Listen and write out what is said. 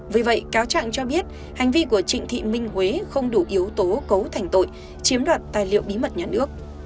vì vậy cáo trạng cho biết hành vi của trịnh thị minh huế không đủ yếu tố cấu thành tội chiếm đoạt tài liệu bí mật nhà nước